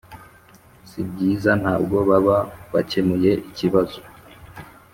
si byiza ntabwo baba bakemuye ikibazo